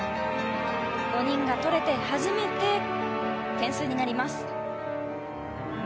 ５人が取れて初めて点数になります。